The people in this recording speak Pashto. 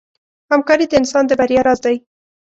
همکاري د انسان د بریا راز دی.